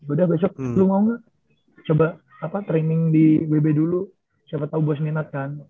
udah besok lu mau gak coba apa training di wb dulu siapa tau bos minat kan